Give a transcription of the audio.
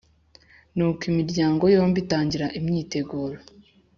nuko imiryango yombi itangira imyiteguro